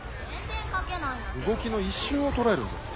動きの一瞬をとらえるんだよ。